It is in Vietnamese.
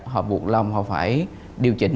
họ buộc lòng họ phải điều chỉnh